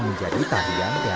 menjadi tarian teatrical